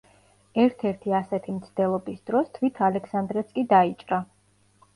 ერთ-ერთი ასეთი მცდელობის დროს თვით ალექსანდრეც კი დაიჭრა.